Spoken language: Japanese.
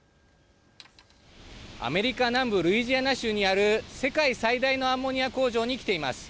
アメリカ南部ルイジアナ州にある世界最大のアンモニア工場に来ています。